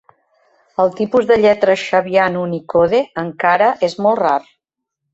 Els tipus de lletra Shavian Unicode encara és molt rar.